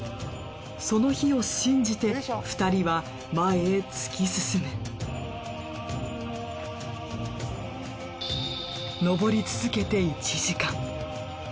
その日を信じて２人は前へ突き進む登り続けて１時間。